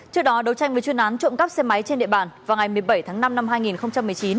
trước đó đấu tranh với chuyên án trộm cắp xe máy trên địa bàn vào ngày một mươi bảy tháng năm năm hai nghìn một mươi chín